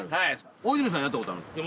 大泉さんやったことあるんですか？